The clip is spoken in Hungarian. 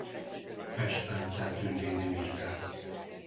Pesten tett ügyvédi vizsgát.